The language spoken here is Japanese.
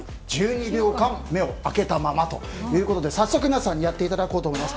１２秒間、目を開けたままということで早速、皆さんにやっていただこうと思います。